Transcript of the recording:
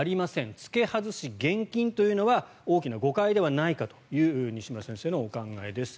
着け外し厳禁というのは大きな誤解ではないかという西村先生のお考えです。